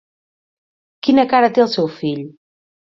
Quina cara té el seu fill?